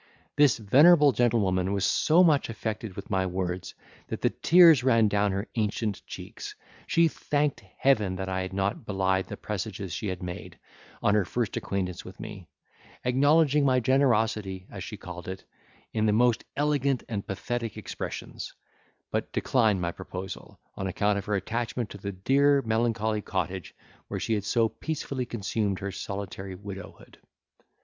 This venerable gentlewoman was so much affected with my words, that the tears ran down her ancient cheeks; she thanked heaven that I had not belied the presages she had made, on her first acquaintance with me; acknowledging my generosity, as she called it, in the most elegant and pathetic expressions; but declined my proposal, on account of her attachment to the dear melancholy cottage where she had so peacefully consumed her solitary widowhood.